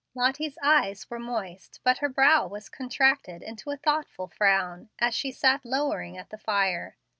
Lottie's eyes were moist, but her brow was contracted into a thoughtful frown, as she sat lowering at the fire.